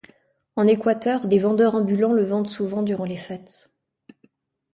En Équateur, des vendeurs ambulants le vendent souvent durant les fêtes.